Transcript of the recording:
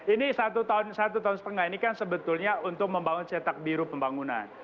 ini satu tahun satu tahun sepenggak ini kan sebetulnya untuk membangun cetak biru pembangunan